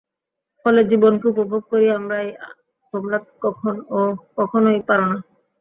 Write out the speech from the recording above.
ফলে জীবনকে উপভোগ করি আমরাই, তোমরা কখনই পার না।